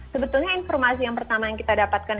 sebetulnya informasi yang pertama yang kita dapatkan